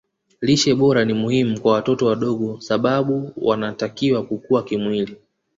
lishe bora ni muhimu kwa watoto wadogo sababu wanatakiwa kukua kimwili